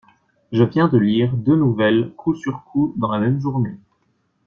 Je viens de lire deux nouvelles coup sur coup dans la même journée.